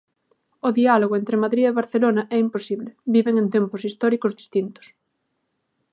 O diálogo entre Madrid e Barcelona é imposible, viven en tempos históricos distintos.